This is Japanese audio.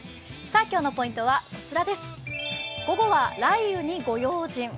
今日のポイントは、午後は雷雨にご用心。